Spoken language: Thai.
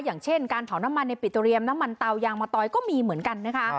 อย่างเช่นการเผาน้ำมันในปิดเรียมน้ำมันเตายางมะตอยก็มีเหมือนกันนะคะ